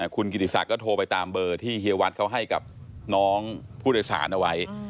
คุณกิติศักดิ์ก็โทรไปตามเบอร์ที่เฮียวัดเขาให้กับน้องผู้โดยสารเอาไว้